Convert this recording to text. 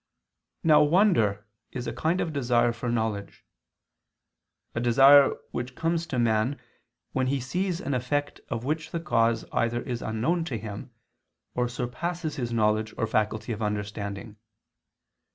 Now wonder is a kind of desire for knowledge; a desire which comes to man when he sees an effect of which the cause either is unknown to him, or surpasses his knowledge or faculty of understanding.